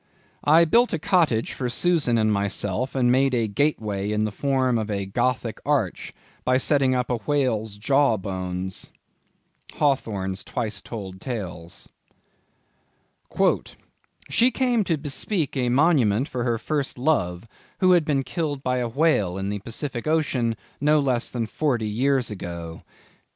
"I built a cottage for Susan and myself and made a gateway in the form of a Gothic Arch, by setting up a whale's jaw bones." —Hawthorne's Twice Told Tales. "She came to bespeak a monument for her first love, who had been killed by a whale in the Pacific ocean, no less than forty years ago."